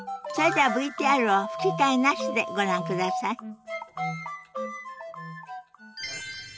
それではＶＴＲを吹き替えなしでご覧ください。